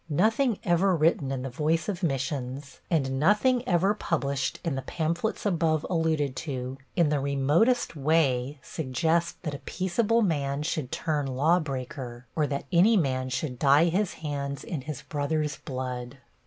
Nothing ever written in the Voice of Missions, and nothing ever published in the pamphlets above alluded to in the remotest way suggest that a peaceable man should turn lawbreaker, or that any man should dye his hands in his brother's blood.